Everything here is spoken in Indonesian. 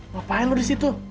ngapain lu disitu